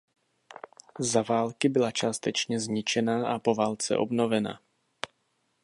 Za války byla částečně zničená a po válce obnovena.